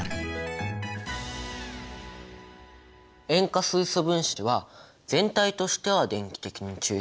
塩化水素分子は全体としては電気的に中性。